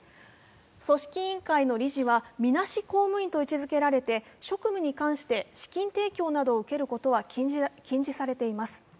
組織委員会の理事は、みなし公務員と位置づけられて、職務に関して資金提供などを受けることは禁止されています。